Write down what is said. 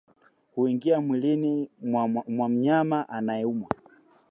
huingia mwilini mwa mnyama anayeumwa